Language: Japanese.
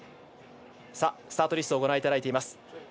スタートリストをご覧いただいています。